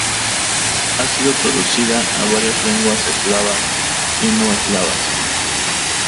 Ha sido traducida a varias lenguas eslavas, y no eslavas.